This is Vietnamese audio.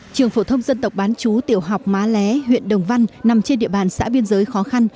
trường phổ thông dân tộc bán chú tiểu học má lé huyện đồng văn nằm trên địa bàn xã biên giới khó khăn